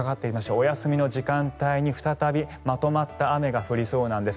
お休みの時間帯に再びまとまった雨が降りそうなんです。